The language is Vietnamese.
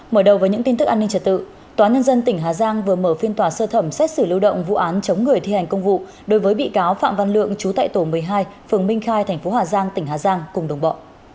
mở đầu với những tin tức an ninh trật tự tòa nhân dân tỉnh hà giang vừa mở phiên tòa sơ thẩm xét xử lưu động vụ án chống người thi hành công vụ đối với bị cáo phạm văn lượng trú tại tổ một mươi hai phường minh khai thành phố hà giang tỉnh hà giang cùng đồng bộ